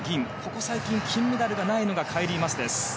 ここ最近、金メダルがないのがカイリー・マスです。